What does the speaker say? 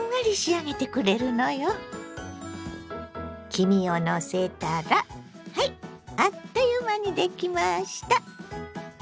黄身をのせたらはいあっという間にできました！